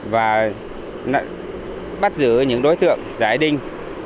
và bắt giữ những đối tượng giải đinh